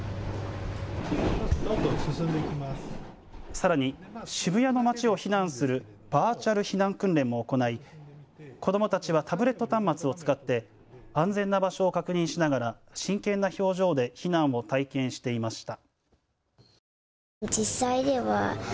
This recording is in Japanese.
さらに渋谷の街を避難するバーチャル避難訓練も行い子どもたちはタブレット端末を使って安全な場所を確認しながら真剣な表情で避難を体験していました。